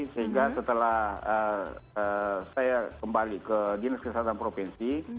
sehingga setelah saya kembali ke dinas kesehatan provinsi